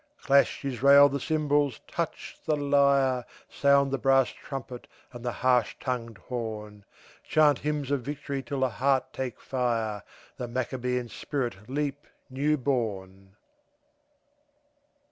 Clash, Israel, the cymbals, touch the lyre, Sound the brass trumpet and the harsh tongued horn, Chant hymns of victory till the heart take fire, The Maccabean spirit leap new born!